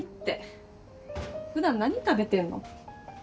普段何食べてんの？